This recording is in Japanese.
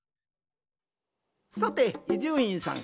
さて伊集院さん。